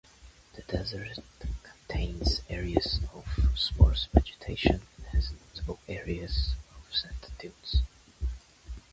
The desert contains areas of sparse vegetation and has notable areas of sand dunes.